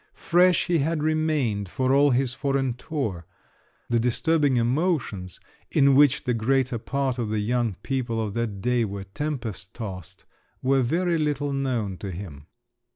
Fresh he had remained, for all his foreign tour; the disturbing emotions in which the greater part of the young people of that day were tempest tossed were very little known to him.